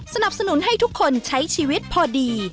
สนับสนุนให้ทุกคนใช้ชีวิตพอดี